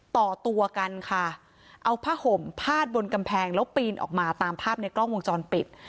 ต่อตัวกันค่ะเอาผ้าห่มพาดบนกำแพงแล้วปีนออกมาตามภาพในกล้องวงจรปิด